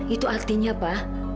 itu artinya pa